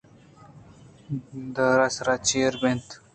دُرٛاہ سر ءُچیر بنت